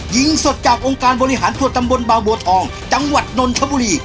ยิงสดจากองค์การบริหารส่วนตำบลบางบัวทองจังหวัดนนทบุรี